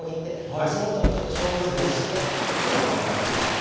足元も消毒してちょっとお時間をいただきますね。